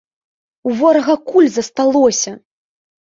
У ворага куль засталося!